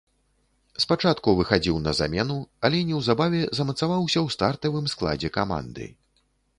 Спачатку выхадзіў на замену, але неўзабаве замацаваўся ў стартавым складзе каманды.